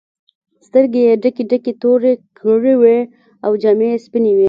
سترګې یې ډکې ډکې تورې کړې وې او جامې یې سپینې وې.